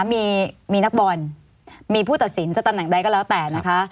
มีนักบอลมีผู้ตัดสินจะตำแหน่งใดก็แล้วแต่นะคะ